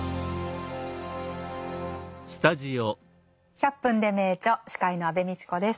「１００分ｄｅ名著」司会の安部みちこです。